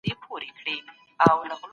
ما مخکې ډېر پښتو کتابونه